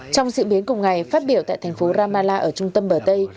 trong diễn biến cùng ngày phát biểu tại thành phố ramallah ở trung tâm bờ tây